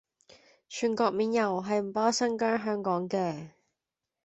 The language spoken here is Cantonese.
全國免郵係唔包新疆香港嘅